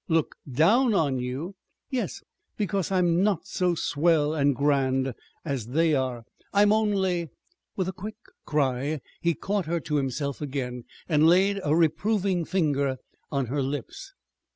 "Look down on you?" "Yes, because I'm not so swell and grand as they are. I'm only " With a quick cry he caught her to himself again, and laid a reproving finger on her lips.